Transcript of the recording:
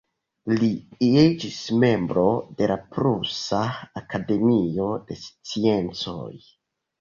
Li iĝis membro de la Prusa Akademio de Sciencoj.